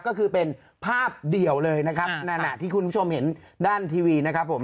ก็คือเป็นภาพเดี่ยวเลยนะครับนั่นอ่ะที่คุณผู้ชมเห็นด้านทีวีนะครับผม